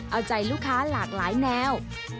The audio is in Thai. เอาใจลูกค้าหลากหลายแนว